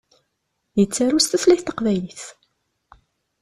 Yettaru s tutlayt taqbaylit.